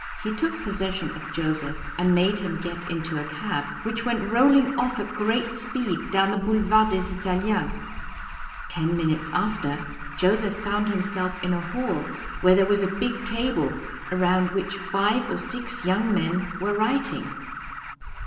He took possession of Joseph and made him get into a cab, which went rolling off at great speed down the Boulevard des Italiens. Ten minutes after, Joseph found himself in a hall where there was a big table, around which five or six young men were writing.